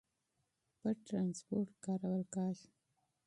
پټ ترانسپورت کارول کېږي.